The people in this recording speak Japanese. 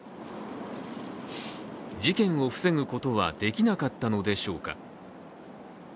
事件を防ぐことはできなかったのでしょうか。